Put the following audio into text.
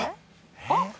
あっ！